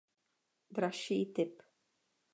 Dražší typ.